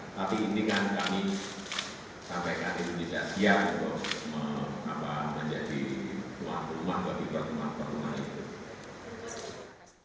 tapi ini kan kami sampaikan indonesia siap terus menjadi tuan rumah bagi tuan rumah perumahan itu